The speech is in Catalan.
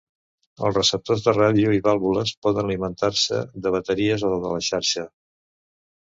Els receptors de ràdio a vàlvules poden alimentar-se de bateries o de la xarxa.